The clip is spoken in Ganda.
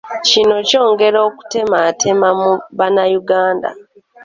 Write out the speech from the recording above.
Kino kyongera okutematema mu bannayuganda.